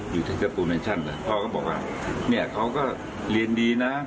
อยู่ที่เจ้าตูเมชั่นนะพ่อก็บอกว่าเนี่ยเขาก็เรียนดีนะ